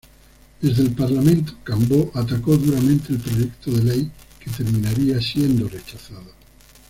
Desde el parlamento Cambó atacó duramente el proyecto de Ley, que terminaría siendo rechazado.